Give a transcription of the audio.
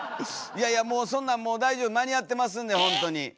いやいやもうそんなんもう大丈夫間に合ってますんでほんとに。